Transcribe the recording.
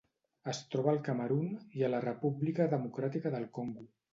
Es troba al Camerun i a la República Democràtica del Congo.